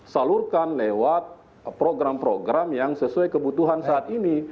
salurkan lewat program program yang sesuai kebutuhan saat ini